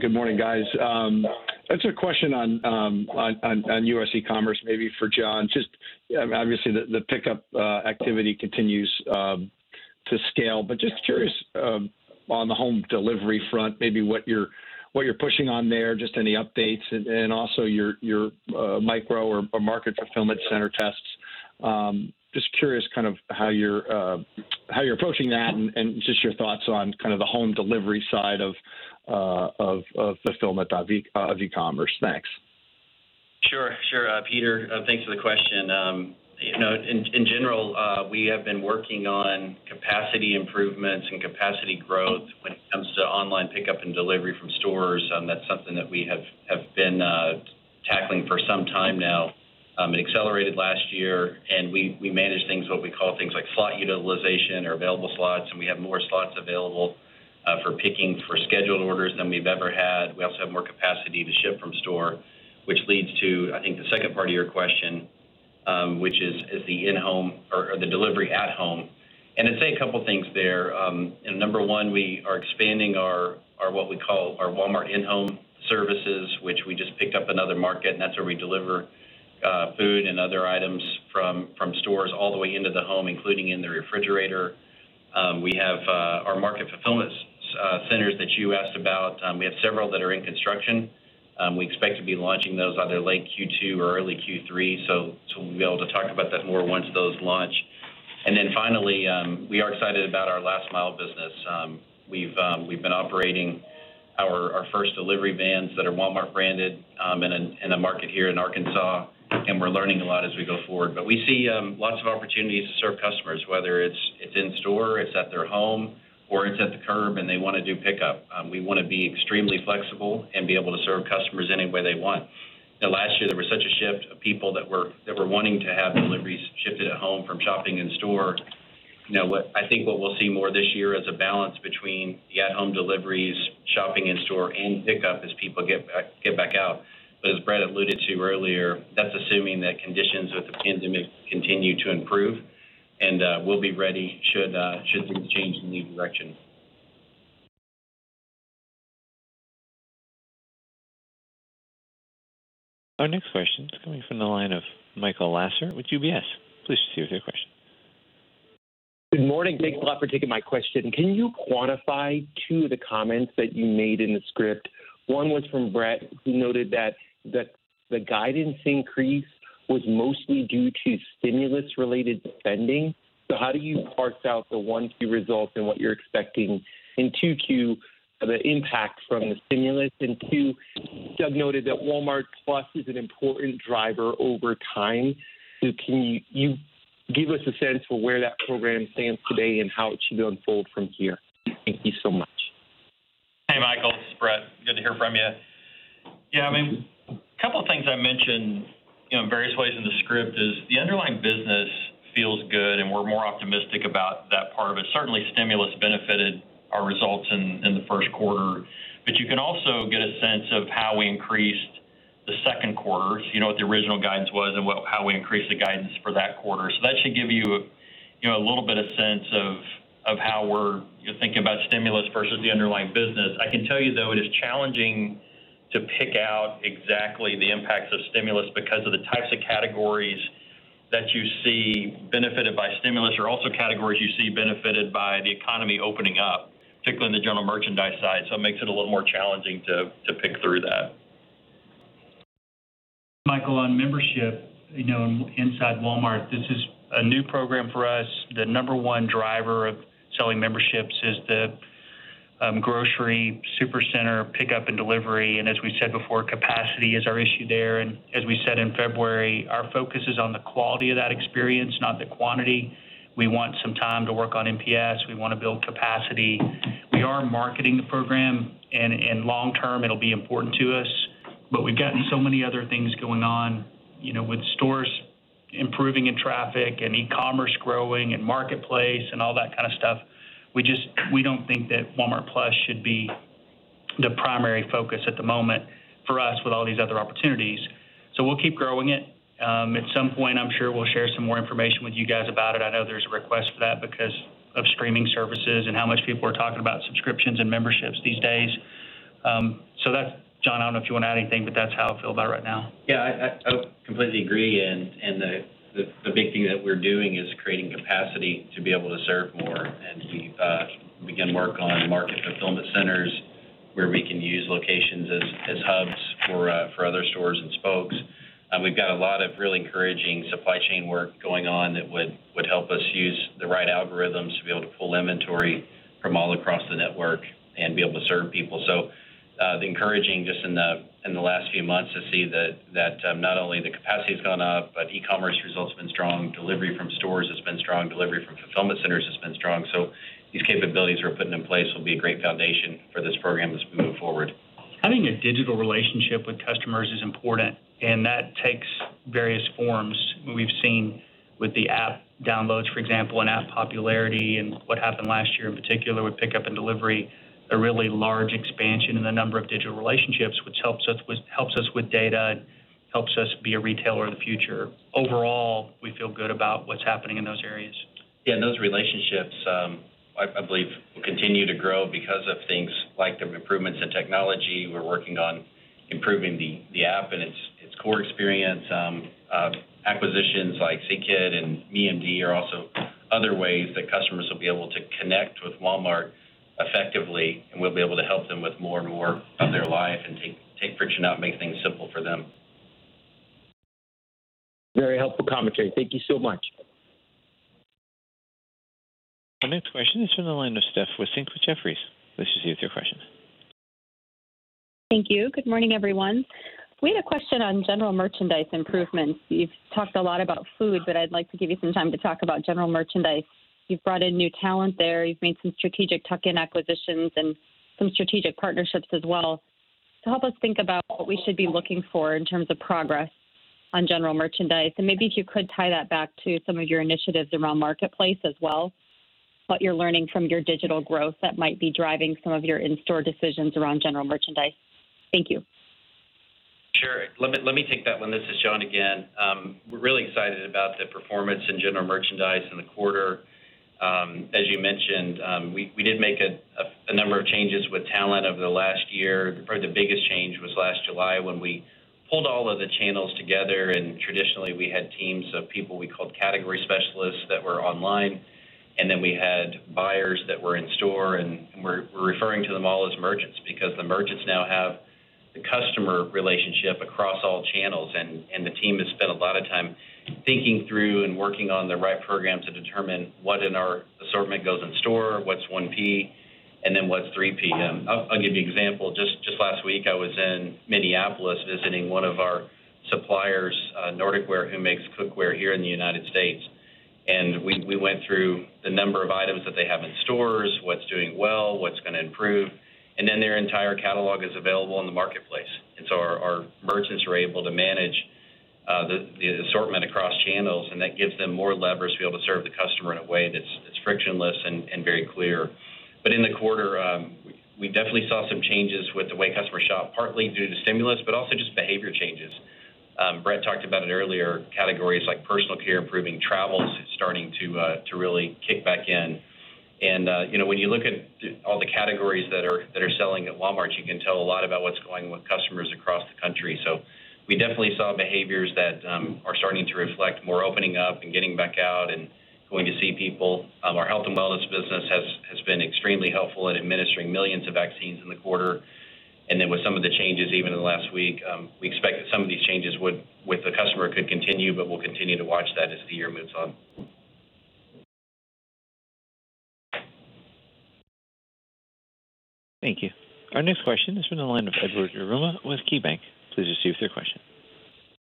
Good morning, guys. It's a question on U.S. e-commerce, maybe for John. Obviously the pickup activity continues to scale, just curious on the home delivery front, maybe what you're pushing on there, just any updates and also your micro or market fulfillment center tests? Just curious how you're approaching that and just your thoughts on the home delivery side of fulfillment of e-commerce? Thanks. Sure. Peter, thanks for the question. In general, we have been working on capacity improvements and capacity growth when it comes to online pickup and delivery from stores. That's something that we have been tackling for some time now. Accelerated last year, we manage things, what we call things like slot utilization or available slots, and we have more slots available for picking for scheduled orders than we've ever had. We also have more capacity to ship from store, which leads to, I think, the second part of your question, which is the delivery at home. I'd say a couple of things there. Number one, we are expanding our, what we call our Walmart InHome services, which we just picked up another market, and that's where we deliver food and other items from stores all the way into the home, including in the refrigerator. We have our market fulfillment centers that you asked about. We have several that are in construction. We expect to be launching those either late Q2 or early Q3, so we'll be able to talk about that more once those launch. Finally, we are excited about our last mile business. We've been operating our first delivery vans that are Walmart branded in a market here in Arkansas, and we're learning a lot as we go forward. We see lots of opportunities to serve customers, whether it's in store, it's at their home, or it's at the curb and they want to do pickup. We want to be extremely flexible and be able to serve customers any way they want. Last year, there was such a shift of people that were wanting to have deliveries shipped at home from shopping in store. I think what we'll see more this year is a balance between the at-home deliveries, shopping in store, and pickup as people get back out. As Brett alluded to earlier, that's assuming that conditions with the pandemic continue to improve, and we'll be ready should things change in the direction. Our next question is coming from the line of Michael Lasser with UBS. Please proceed with your question. Good morning. Thanks a lot for taking my question. Can you quantify two of the comments that you made in the script? One was from Brett, who noted that the guidance increase was mostly due to stimulus-related spending. How do you parse out the Q1 results and what you're expecting in Q2, the impact from the stimulus, and two, Doug noted that Walmart+ is an important driver over time. Can you give us a sense for where that program stands today and how it should unfold from here? Thank you so much. Hey, Michael, this is Brett. Good to hear from you. A couple of things I mentioned in various ways in the script is the underlying business feels good. We're more optimistic about that part of it. Certainly, stimulus benefited our results in the first quarter. You can also get a sense of how we increased the second quarter. You know what the original guidance was and how we increased the guidance for that quarter. That should give you a little bit of sense of how we're thinking about stimulus versus the underlying business. I can tell you, though, it is challenging to pick out exactly the impact of stimulus because of the types of categories that you see benefited by stimulus are also categories you see benefited by the economy opening up, particularly on the general merchandise side. It makes it a little more challenging to pick through that. Michael, on membership inside Walmart, this is a new program for us. The number 1 driver of selling memberships is the grocery Supercenter pickup and delivery. As we said before, capacity is our issue there. As we said in February, our focus is on the quality of that experience, not the quantity. We want some time to work on NPS. We want to build capacity. We are marketing the program, and long term, it'll be important to us. We've got so many other things going on. With stores improving in traffic and e-commerce growing and marketplace and all that kind of stuff, we don't think that Walmart+ should be the primary focus at the moment for us with all these other opportunities. We'll keep growing it. At some point, I'm sure we'll share some more information with you guys about it. I know there's a request for that because of streaming services and how much people are talking about subscriptions and memberships these days. John, I don't know if you want to add anything, but that's how I feel about it right now. Yeah, I completely agree. The big thing that we're doing is creating capacity to be able to serve more. We can work on market fulfillment centers where we can use locations as hubs for other stores and spokes. We've got a lot of really encouraging supply chain work going on that would help us use the right algorithms to be able to pull inventory from all across the network and be able to serve people. Encouraging just in the last few months to see that not only the capacity's gone up, but e-commerce results have been strong, delivery from stores has been strong, delivery from fulfillment centers has been strong. These capabilities we're putting in place will be a great foundation for this program as we move forward. Having a digital relationship with customers is important, and that takes various forms. We've seen with the app downloads, for example, and app popularity and what happened last year, in particular with pickup and delivery, a really large expansion in the number of digital relationships, which helps us with data and helps us be a retailer of the future. Overall, we feel good about what's happening in those areas. Yeah, those relationships, I believe, will continue to grow because of things like the improvements in technology. We're working on improving the app and its core experience. Acquisitions like Zeekit and MeMD are also other ways that customers will be able to connect with Walmart effectively, and we'll be able to help them with more and more of their life and figuring out, making things simple for them. Very helpful commentary. Thank you so much. Our next question is from the line of Steph with Jefferies. Steph, your question. Thank you. Good morning, everyone. We had a question on general merchandise improvements. You've talked a lot about food, but I'd like to give you some time to talk about general merchandise. You've brought in new talent there. You've made some strategic tuck-in acquisitions and some strategic partnerships as well. Help us think about what we should be looking for in terms of progress on general merchandise, and maybe if you could tie that back to some of your initiatives around Marketplace as well, what you're learning from your digital growth that might be driving some of your in-store decisions around general merchandise. Thank you. Sure. Let me take that one. This is John again. We're really excited about the performance in general merchandise in the quarter. As you mentioned, we did make a number of changes with talent over the last year. Probably the biggest change was last July when we pulled all of the channels together and traditionally we had teams of people we called category specialists that were online, and then we had buyers that were in store, and we're referring to them all as merchants because the merchants now have the customer relationship across all channels. The team has spent a lot of time thinking through and working on the right programs to determine what in our assortment goes in store, what's 1P, and then what's 3P. I'll give you an example. Just last week, I was in Minneapolis visiting one of our suppliers, Nordic Ware, who makes cookware here in the U.S. We went through the number of items that they have in stores, what's doing well, what's going to improve, and then their entire catalog is available in the marketplace. Our merchants are able to manage the assortment across channels, and that gives them more leverage to be able to serve the customer in a way that's frictionless and very clear. In the quarter, we definitely saw some changes with the way customers shop, partly due to stimulus, but also just behavior changes. Brett Biggs talked about it earlier, categories like personal care improving, travel starting to really kick back in. When you look at all the categories that are selling at Walmart, you can tell a lot about what's going on with customers across the country. We definitely saw behaviors that are starting to reflect more opening up and getting back out and going to see people. Our health and wellness business has been extremely helpful in administering millions of vaccines in the quarter. Then with some of the changes even in the last week, we expect that some of these changes with the customer could continue, but we'll continue to watch that as the year moves on. Thank you. Our next question is from the line of Edward Yruma with KeyBank. Please proceed with your question.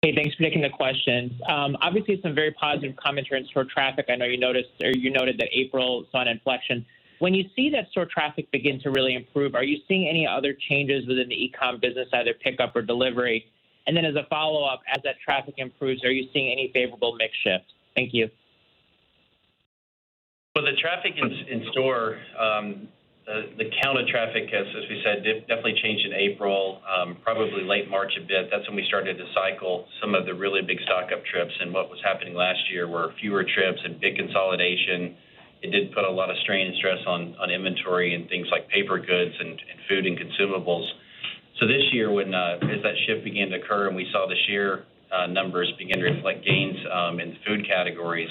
Hey, thanks for taking the question. Obviously, some very positive commentary on store traffic. I know you noted that April saw an inflection. When you see that store traffic begin to really improve, are you seeing any other changes within the e-com business, either pickup or delivery? As a follow-up, as that traffic improves, are you seeing any favorable mix shifts? Thank you. The traffic in store, the count of traffic, as we said, definitely changed in April, probably late March it did. That's when we started to cycle some of the really big stock-up trips and what was happening last year, where fewer trips and big consolidation, it did put a lot of strain and stress on inventory and things like paper goods and food and consumables. This year, as that shift began to occur and we saw the sheer numbers begin to reflect gains in food categories,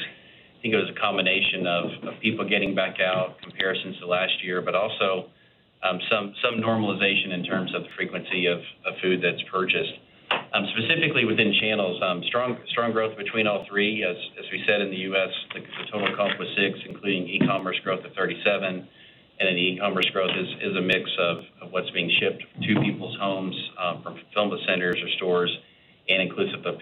I think it was a combination of people getting back out compared since the last year, but also some normalization in terms of the frequency of food that's purchased. Specifically within channels, strong growth between all three, as we said, in the U.S. The total comp was 6%, including e-commerce growth of 37%, and e-commerce growth is a mix of what's being shipped to people's homes from fulfillment centers or stores and inclusive of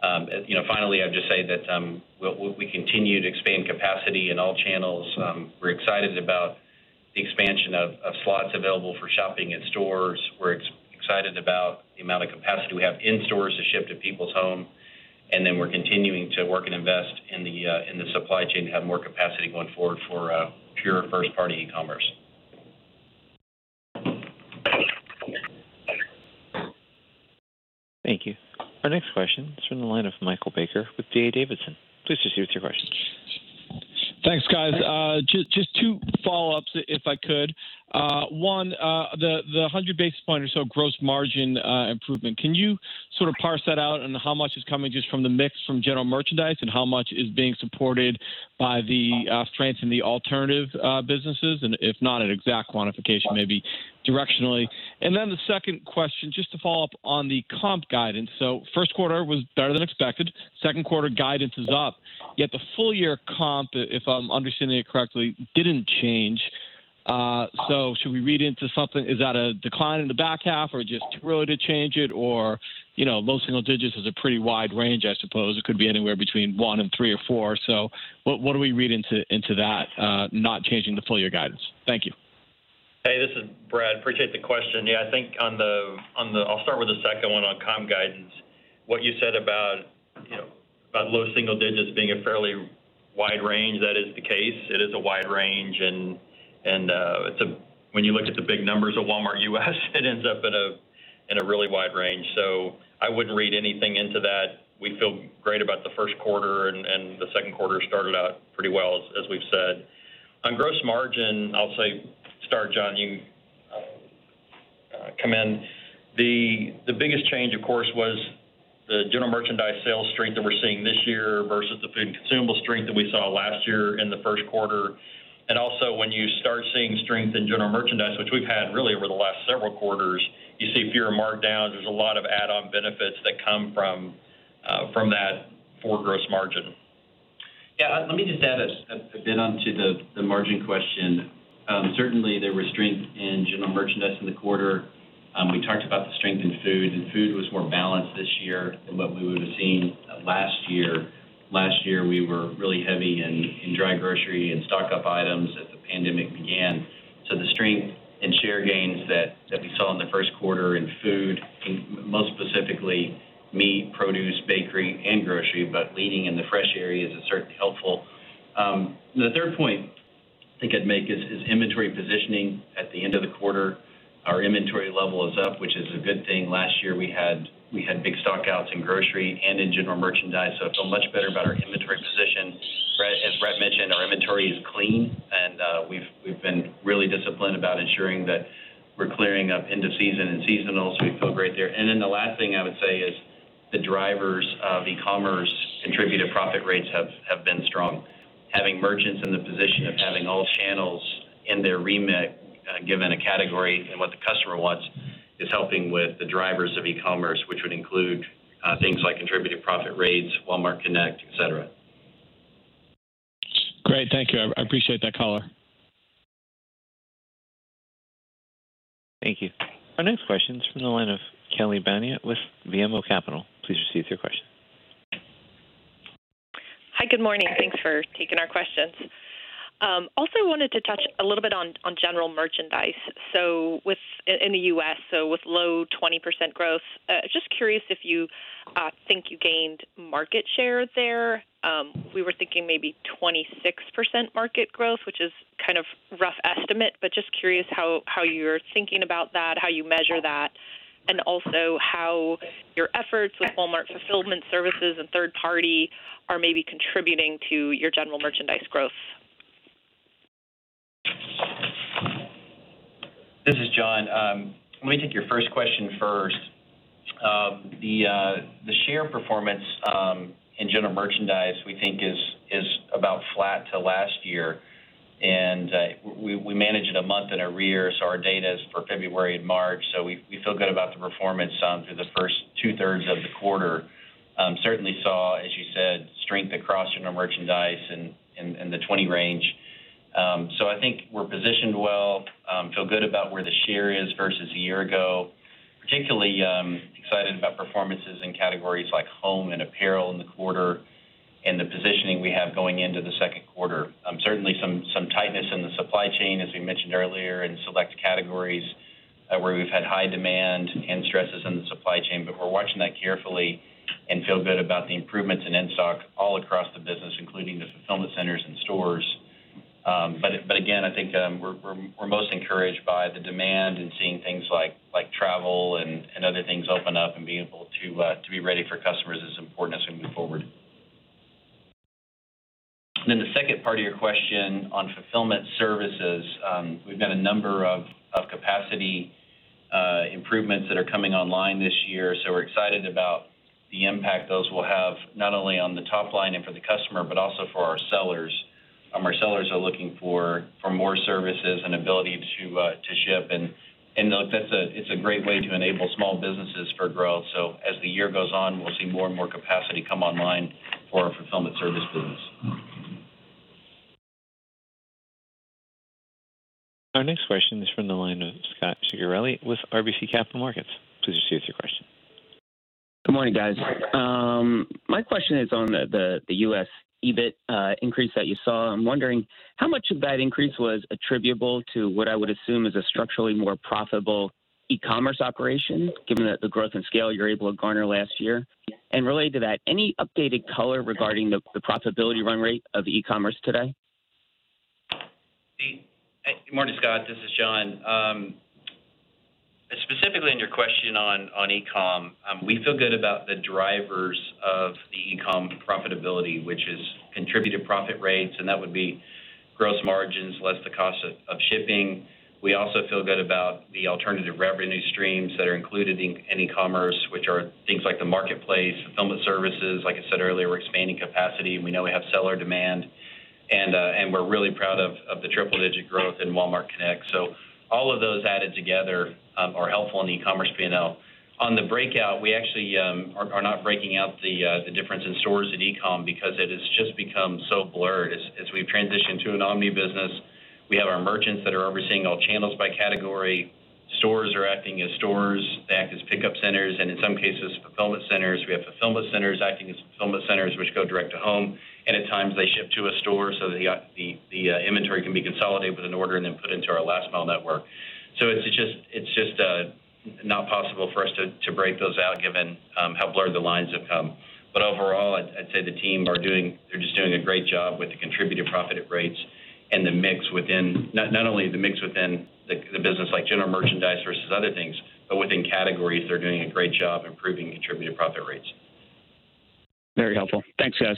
pickup. Finally, I'd just say that we continue to expand capacity in all channels. We're excited about the expansion of slots available for shopping in stores. We're excited about the amount of capacity we have in stores to ship to people's home, and then we're continuing to work and invest in the supply chain to have more capacity going forward for pure first-party e-commerce. Thank you. Our next question is from the line of Michael Baker with D.A. Davidson. Please proceed with your question. Thanks, guys. Just two follow-ups, if I could. One, the 100 basis point or so gross margin improvement. Can you sort of parse that out and how much is coming just from the mix from general merchandise and how much is being supported by the strength in the alternative businesses? If not an exact quantification, maybe directionally. Then the second question, just to follow up on the comp guidance. First quarter was better than expected. Second quarter guidance is up, yet the full year comp, if I'm understanding it correctly, didn't change. Should we read into something? Is that a decline in the back half, or just thrilled to change it? Low single digits is a pretty wide range, I suppose. It could be anywhere between one and three or four. What do we read into that, not changing the full year guidance? Thank you. Hey, this is Brett Biggs. Appreciate the question. Yeah, I'll start with the second one on comp guidance. What you said about low single digits being a fairly wide range, that is the case. It is a wide range. When you look at the big numbers of Walmart U.S., it ends up in a really wide range. I wouldn't read anything into that. We feel great about the first quarter. The second quarter started out pretty well, as we said. On gross margin, I'll say, start, John, I mean, the biggest change, of course, was the general merchandise sales strength that we're seeing this year versus the big consumable strength that we saw last year in the first quarter. Also when you start seeing strength in general merchandise, which we've had really over the last several quarters, you see fewer markdowns. There's a lot of add-on benefits that come from that for gross margin. Yeah. Let me just add a bit onto the margin question. Certainly, there was strength in general merchandise in the quarter. We talked about the strength in food, and food was more balanced this year than what we would've seen last year. Last year, we were really heavy in dry grocery and stock-up items as the pandemic began. The strength in share gains that we saw in the first quarter in food, most specifically meat, produce, bakery, and grocery, but leading in the fresh areas is certainly helpful. The third point I think I'd make is inventory positioning at the end of the quarter. Our inventory level is up, which is a good thing. Last year, we had big stock outs in grocery and in general merchandise, so feel much better about our inventory position. As Brett mentioned, our inventory is clean. We've been really disciplined about ensuring that we're clearing up end of season and seasonal. We feel great there. The last thing I would say is the drivers of e-commerce contributive profit rates have been strong. Having merchants in the position of having all channels in their remit, given a category and what the customer wants, is helping with the drivers of e-commerce, which would include things like contributive profit rates, Walmart Connect, et cetera. Great. Thank you. I appreciate that color. Thank you. Our next question's from the line of Kelly Bania with BMO Capital. Please proceed with your question. Hi, good morning. Thanks for taking our questions. Also wanted to touch a little bit on general merchandise. In the U.S., with low 20% growth, just curious if you think you gained market share there. We were thinking maybe 26% market growth, which is kind of rough estimate, but just curious how you're thinking about that, how you measure that, and also how your efforts with Walmart Fulfillment Services and third party are maybe contributing to your general merchandise growth. This is John. Let me take your first question first. The share performance in general merchandise, we think, is about flat to last year. We manage it a month in arrears, so our data is for February and March. We feel good about the performance through the first 2/3 of the quarter. Certainly saw, as you said, strength across general merchandise in the 20 range. I think we're positioned well, feel good about where the share is versus a year ago. Particularly excited about performances in categories like home and apparel in the quarter and the positioning we have going into the second quarter. Certainly some tightness in the supply chain, as we mentioned earlier, in select categories where we've had high demand and stresses in the supply chain. We're watching that carefully and feel good about the improvements in in-stock all across the business, including the fulfillment centers and stores. Again, I think that we're most encouraged by the demand and seeing things like travel and other things open up and being able to be ready for customers as important as we move forward. Then the second part of your question on Walmart Fulfillment Services. We've got a number of capacity improvements that are coming online this year, so we're excited about the impact those will have, not only on the top line and for the customer, but also for our sellers. Our sellers are looking for more services and ability to ship, and that's a great way to enable small businesses for growth. As the year goes on, we'll see more and more capacity come online for our Walmart Fulfillment Services business. Our next question is from the line of Scot Ciccarelli with RBC Capital Markets. Please proceed with your question. Good morning, guys. My question is on the U.S. EBIT increase that you saw. I'm wondering how much of that increase was attributable to what I would assume is a structurally more profitable e-commerce operation, given the growth and scale you were able to garner last year. Related to that, any updated color regarding the profitability run rate of e-commerce today? Good morning, Scot. This is John. Specifically on your question on e-com. We feel good about the drivers of the e-com profitability, which is contributive profit rates. That would be gross margins less the cost of shipping. We also feel good about the alternative revenue streams that are included in e-commerce, which are things like the marketplace, fulfillment services. Like I said earlier, we're expanding capacity. We know we have seller demand. We're really proud of the triple-digit growth in Walmart Connect. All of those added together are helpful in the e-commerce P&L. On the breakout, we actually are not breaking out the difference in stores and e-com because it has just become so blurred. As we transition to an omni-business, we have our merchants that are overseeing all channels by category. Stores are acting as stores. They act as pickup centers and in some cases, fulfillment centers. We have fulfillment centers acting as fulfillment centers which go direct to home. At times they ship to a store, so the inventory can be consolidated and ordered and put into our last mile network. It's just not possible for us to break those out given how blurred the lines have come. Overall, I'd say the team, they're just doing a great job with the contributive profit rates and not only the mix within the business, like general merchandise versus other things, but within categories, they're doing a great job improving contributive profit rates. Very helpful. Thanks, guys.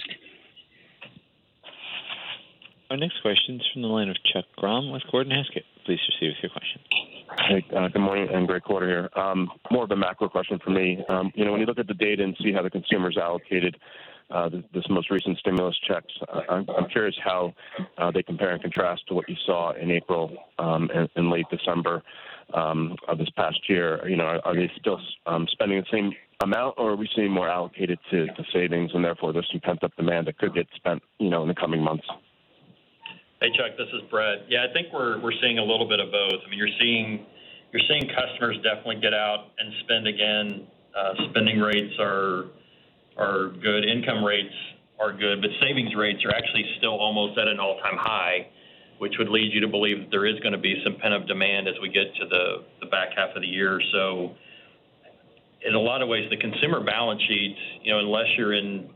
Our next question is from the line of Chuck Grom with Gordon Haskett. Please proceed with your question. Hi. Good morning. Great quarter here. More of a macro question for me. When you look at the data and see how the consumer's allocated this most recent stimulus checks, I'm curious how they compare and contrast to what you saw in April and late December of this past year. Are they still spending the same amount, or are we seeing more allocated to savings, and therefore, there's some pent-up demand that could get spent in the coming months? Hey, Chuck, this is Brett. Yeah, I think we're seeing a little bit of both. You're seeing customers definitely get out and spend again. Spending rates are good. Income rates are good, but savings rates are actually still almost at an all-time high, which would lead you to believe that there is going to be some pent-up demand as we get to the back half of the year. In a lot of ways, unless you're in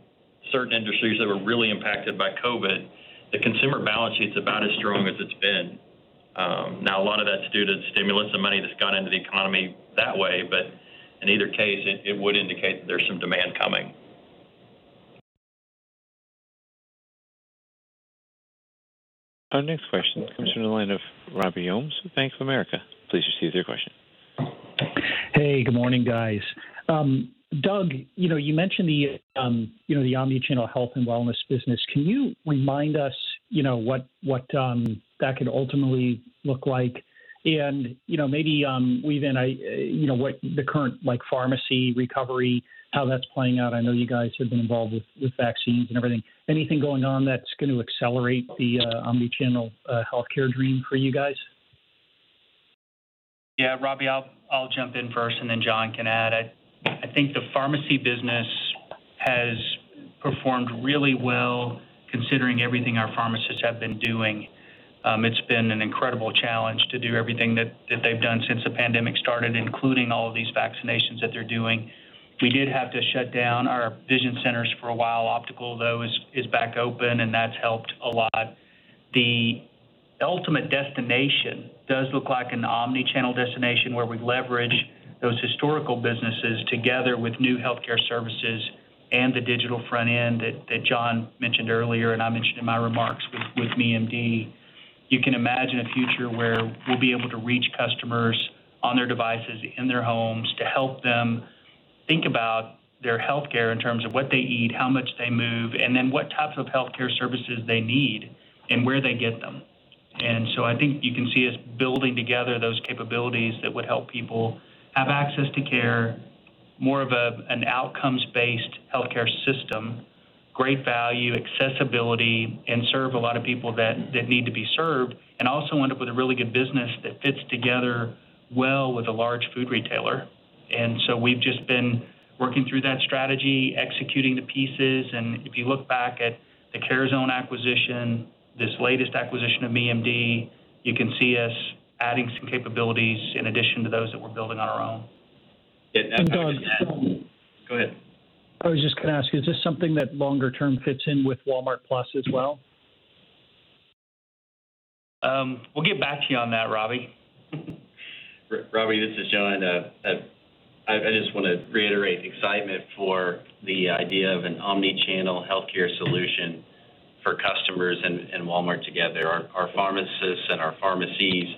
certain industries that were really impacted by COVID, the consumer balance sheet's about as strong as it's been. Now, a lot of that's due to the stimulus and money that's gone into the economy that way. In either case, it would indicate that there's some demand coming. Our next question comes from the line of Robert Ohmes with Bank of America. Please proceed with your question. Hey, good morning, guys. Doug, you mentioned the omni-channel health and wellness business. Can you remind us what that could ultimately look like? Maybe even what the current pharmacy recovery, how that's playing out. I know you guys have been involved with vaccines and everything. Anything going on that's going to accelerate the omni-channel healthcare dream for you guys? Yeah, Robbie, I'll jump in first and then John can add. I think the pharmacy business has performed really well considering everything our pharmacists have been doing. It's been an incredible challenge to do everything that they've done since the pandemic started, including all of these vaccinations that they're doing. We did have to shut down our vision centers for a while. Optical, though, is back open, and that's helped a lot. The ultimate destination does look like an omni-channel destination where we leverage those historical businesses together with new healthcare services and the digital front end that John mentioned earlier and I mentioned in my remarks with MeMD. You can imagine a future where we'll be able to reach customers on their devices in their homes to help them think about their healthcare in terms of what they eat, how much they move, and then what types of healthcare services they need and where they get them. I think you can see us building together those capabilities that will help people have access to care, more of an outcomes-based healthcare system, great value, accessibility, and serve a lot of people that need to be served, and also end up with a really good business that fits together well with a large food retailer. We've just been working through that strategy, executing the pieces, and if you look back at the CareZone acquisition, this latest acquisition of MeMD, you can see us adding some capabilities in addition to those that we're building on our own. Doug- Go ahead. I was just going to ask, is this something that longer term fits in with Walmart+ as well? We'll get back to you on that, Robert. Robert, this is John. I just want to reiterate the excitement for the idea of an omni-channel healthcare solution for customers and Walmart together. Our pharmacists and our pharmacies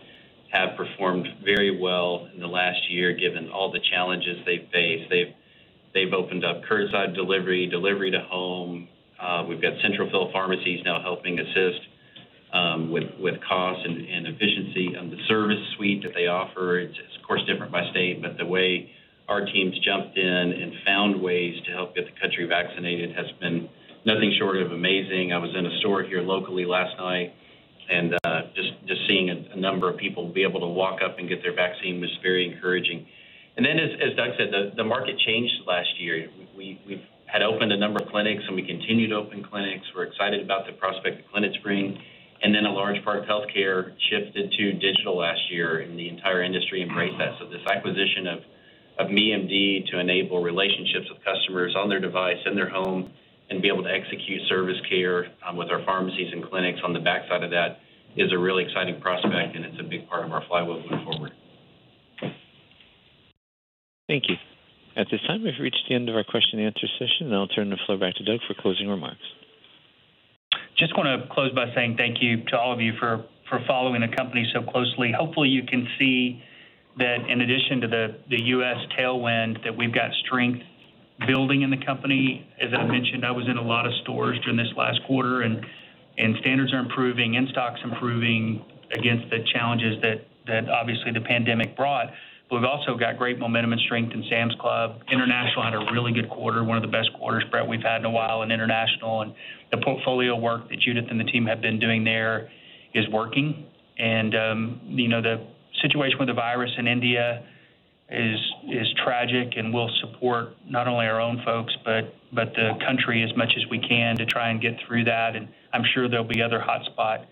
have performed very well in the last year, given all the challenges they face. They've opened up curbside delivery to home. We've got central fill pharmacies now helping assist with cost and efficiency and the service suite that they offer. It's of course different by state, but the way our teams jumped in and found ways to help get the country vaccinated has been nothing short of amazing. I was in a store here locally last night, and just seeing a number of people be able to walk up and get their vaccine was very encouraging. As I said, the market changed last year. We've had opened a number of clinics, and we continue to open clinics. We're excited about the prospect of clinic screen. A large part of healthcare shifted to digital last year, and the entire industry embraced that. This acquisition of MeMD to enable relationships with customers on their device, in their home, and be able to execute service care with our pharmacies and clinics on the backside of that is a really exciting prospect, and it's a big part of our flywheel going forward. Thank you. At this time, we've reached the end of our question and answer session. I'll turn the floor back to Doug for closing remarks. Just want to close by saying thank you to all of you for following the company so closely. Hopefully, you can see that in addition to the U.S. tailwind, that we've got strength building in the company. As I mentioned, I was in a lot of stores during this last quarter, and standards are improving, in-stock's improving against the challenges that obviously the pandemic brought. We've also got great momentum and strength in Sam's Club. International had a really good quarter, one of the best quarters, Brett, we've had in a while in international, and the portfolio work that Judith and the team have been doing there is working. The situation with the virus in India is tragic, and we'll support not only our own folks but the country as much as we can to try and get through that. I'm sure there'll be other hotspot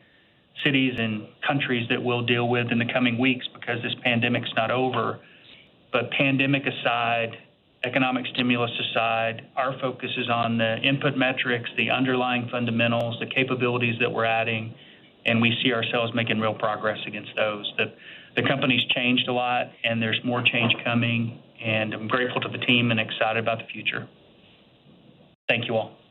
cities and countries that we'll deal with in the coming weeks because this pandemic's not over. Pandemic aside, economic stimulus aside, our focus is on the input metrics, the underlying fundamentals, the capabilities that we're adding, and we see ourselves making real progress against those. The company's changed a lot, and there's more change coming, and I'm grateful to the team and excited about the future. Thank you all.